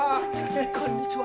こんにちは。